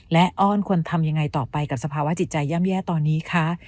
และอ้อนควรทำยังไงต่อไปกับสภาวะจิตใจย่ำแย่ตอนนี้คะ